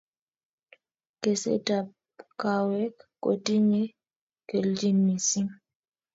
kesetap kawek kotinye keljin missing